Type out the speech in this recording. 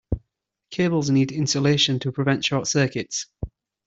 Cables need insulation to prevent short circuits.